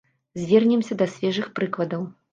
Звернемся да свежых прыкладаў.